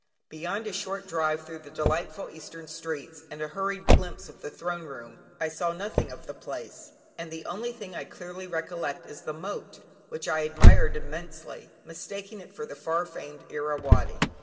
Beyond a short drive through the delightful eastern streets, and a hurried glimpse of the Throne Room, I saw nothing of the place, and the only thing I clearly recollect is the Moat, which I admired immensely, mistaking it for the far famed Irrawaddy!